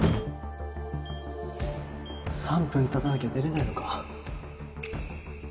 ３分経たなきゃ出られないのか。